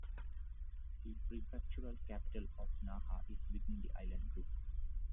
The prefectural capital of Naha is within the island group.